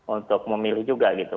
untuk memilih juga gitu